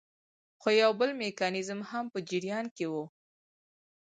خو یو بل میکانیزم هم په جریان کې وو.